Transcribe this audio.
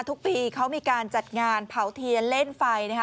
ทุกปีเขามีการจัดงานเผาเทียนเล่นไฟนะคะ